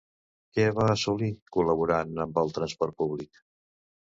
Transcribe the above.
Què va assolir, col·laborant amb el transport públic?